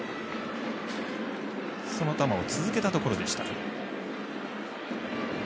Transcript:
その球を続けたところでした。